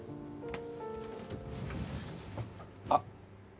あっ。